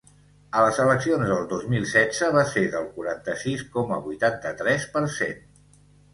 A les eleccions del dos mil setze va ser del quaranta-sis coma vuitanta-tres per cent.